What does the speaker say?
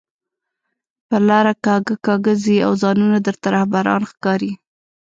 پر لار کاږه کاږه ځئ او ځانونه درته رهبران ښکاري